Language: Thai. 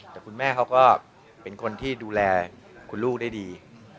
แต่คุณแม่เขาก็เป็นคนที่ดูแลคุณลูกได้ดี